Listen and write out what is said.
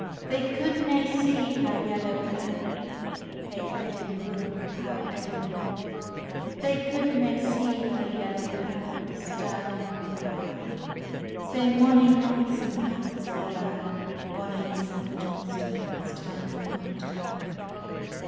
They could nae see her yellow hair, Hey Edinbruch, how Edinbruch. They could nae see her yellow hair, Stirling for aye: Sae mony knots and platts war there, Bonny Sanct Johnstonne that stands upon Tay.